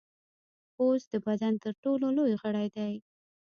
پوست د بدن تر ټولو لوی غړی دی.